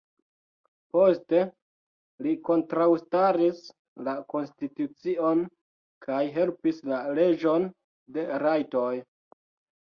Poste, li kontraŭstaris la konstitucion kaj helpis la leĝon de rajtoj.